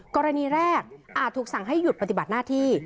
กรณีแรกอาจถูกสั่งให้หยุดปฏิบัติหน้าที่